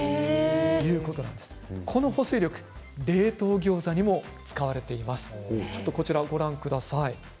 その保水力、冷凍ギョーザにも使われています。